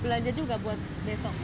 belanja juga buat besok